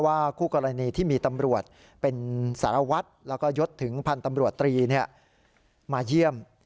คู่กรณีที่มีตำรวจเป็นสารวัตรแล้วก็ยดถึงพันธ์ตำรวจตรีมาเยี่ยม